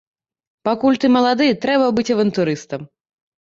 Пакуль ты малады, трэба быць авантурыстам.